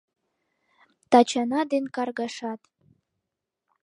Тачана ден каргашат.